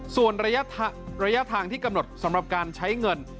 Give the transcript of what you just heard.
ส่วนระยะทางที่กำหนดสำหรับการใช้เงิน